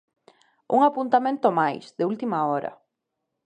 Un apuntamento máis, de última hora.